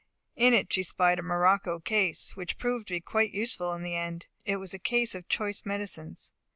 In it she spied a morocco case, which proved quite useful in the end; it was a case of choice medicines.